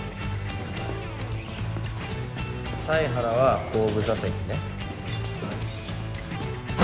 犀原は後部座席ね。